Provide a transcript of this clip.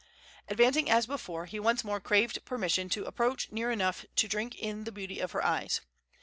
Advancing as before, he once more craved permission to approach near enough to drink in the beauty of her eyes.